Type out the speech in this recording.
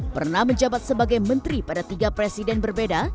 pernah menjabat sebagai menteri pada tiga presiden berbeda